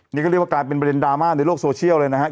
นี่ก็เรียกว่ากลายเป็นประเด็นดราม่าในโลกโซเชียลเลยนะครับ